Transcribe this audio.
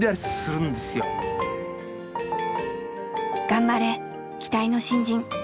頑張れ期待の新人！